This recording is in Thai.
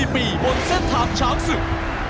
๑๔ปีบนเซ็ตท้ายเช้าศึก